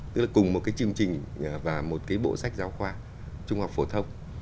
tức là cùng một cái chương trình và một cái bộ sách giáo khoa trung học phổ thông